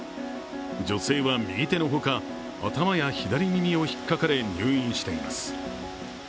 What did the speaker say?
女性は右手のほか、頭や左耳をひっかかれ、入院しています。